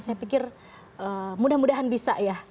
saya pikir mudah mudahan bisa ya